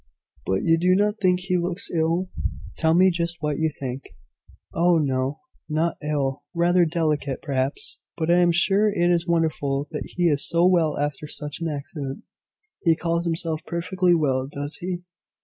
"But you do not think he looks ill? Tell me just what you think." "Oh, no, not ill; rather delicate, perhaps; but I am sure it is wonderful that he is so well after such an accident. He calls himself perfectly well, does he?"